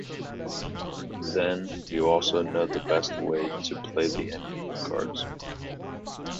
Then you also know the best way to play the endgame cards.